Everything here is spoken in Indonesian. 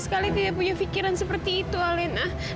kami punya pikiran seperti itu alena